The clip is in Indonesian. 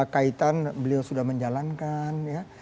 kaitan beliau sudah menjalankan